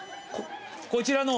こちらの。